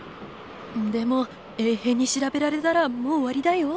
でも衛兵に調べられたらもう終わりだよ。